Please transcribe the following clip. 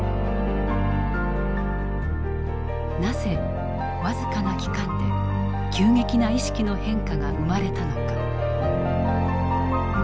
なぜ僅かな期間で急激な意識の変化が生まれたのか。